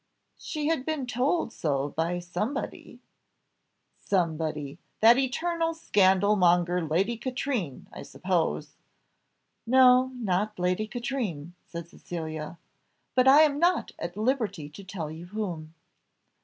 "She had been told so by somebody." "Somebody! that eternal scandal monger Lady Katrine, I suppose." "No not Lady Katrine," said Cecilia; "but I am not at liberty to tell you whom."